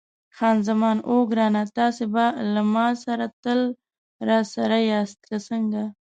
خان زمان: اوه ګرانه، تاسي به له ما سره تل راسره یاست، که څنګه؟